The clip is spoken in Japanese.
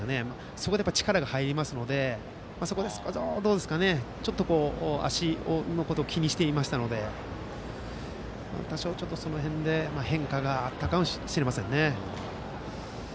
そこで力が入りますので足のこと気にしていましたので多少、その辺で変化があったのかもしれませんね。